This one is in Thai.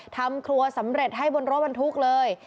ทำครัวสำเร็จให้บนรถบรรทุกเลย